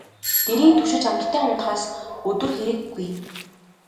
Дэрийг түшиж амттай унтахаас өдөр хэрэг үгүй.